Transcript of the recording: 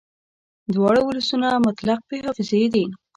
دواړه ولسونه مطلق بې حافظې دي